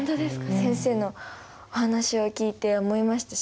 先生のお話を聞いて思いましたし。